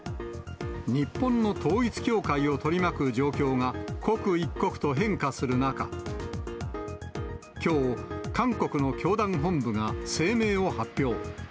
日本の統一教会を取り巻く状況が刻一刻と変化する中、きょう、韓国の教団本部が声明を発表。